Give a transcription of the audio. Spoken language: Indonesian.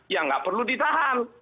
ya nggak perlu ditahan